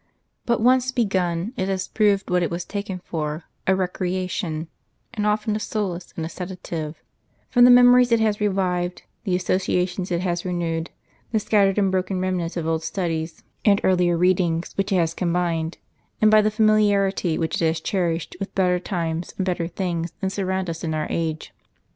But once begun, it has proved what it was taken for,— a recreation, and often a solace and a sedative ; from the memories it has revived, the associations it has renewed, the scattered and broken remnants of old studies and early readings which it has trd combined, and by the familiarity which it has cherished with better times and better things than surround us in our age.